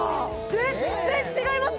全然違いますよね